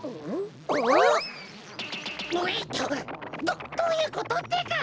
どどういうことってか！？